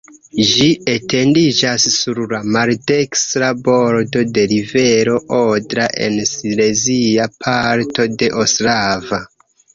Ĝi etendiĝas sur la maldekstra bordo de rivero Odra en silezia parto de Ostrava.